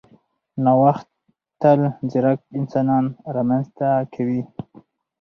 نوښت تل ځیرک انسانان رامنځته کوي.